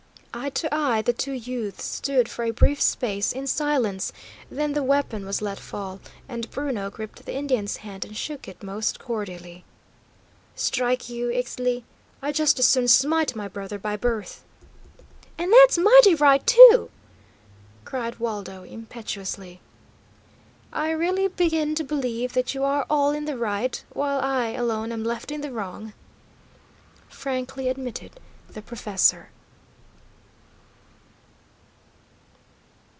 Eye to eye the two youths stood for a brief space in silence, then the weapon was let fall, and Bruno gripped the Indian's hand and shook it most cordially. "Strike you, Ixtli? I'd just as soon smite my brother by birth!" "And that's mighty right, too!" cried Waldo, impetuously. "I really begin to believe that you are all in the right, while I alone am left in the wrong," frankly admitted the professor.